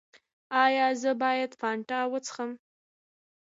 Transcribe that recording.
ایا زه باید فانټا وڅښم؟